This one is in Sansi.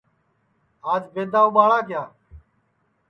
آج بئد اُٻاݪاں کیا